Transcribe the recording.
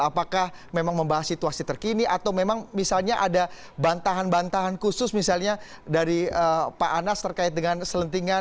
apakah memang membahas situasi terkini atau memang misalnya ada bantahan bantahan khusus misalnya dari pak anas terkait dengan selentingan